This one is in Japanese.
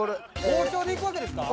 包丁でいくわけですか？